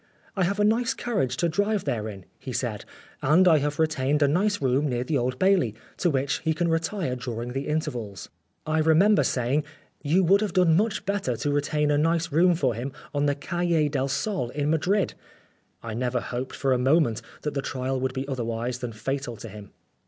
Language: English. " I have a nice carriage to drive there in," he said, "and I have retained a nice room near the Old Bailey, to which he can retire during the intervals." I remember saying, "You would have done much better to retain a nice room for him on the Calle del Sol in Madrid." I 183 Oscar Wilde never hoped for a moment that the trial would be otherwise than fatal to him.